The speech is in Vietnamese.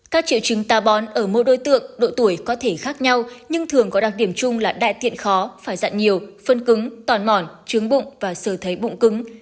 các triệu chứng tà bón ở mô đôi tượng độ tuổi có thể khác nhau nhưng thường có đặc điểm chung là đại tiện khó phải dặn nhiều phân cứng toàn mỏn chướng bụng và sờ thấy bụng cứng